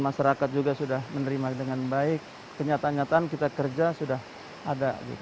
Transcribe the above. masyarakat juga sudah menerima dengan baik kenyataan nyataan kita kerja sudah ada